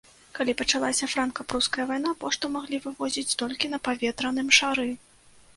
Калі пачалася франка-пруская вайна, пошту маглі вывозіць толькі на паветраным шары.